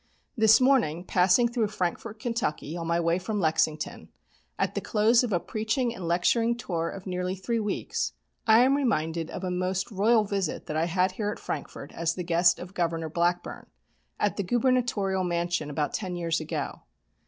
"This morning, passing through Frankfort, Kentucky, on my way from Lexington, at the close of a preaching and lecturing tour of nearly three weeks, I am reminded of a most royal visit that I had here at Frankfort as the guest of Governor Blackburn, at the gubernatorial mansion about ten years ago.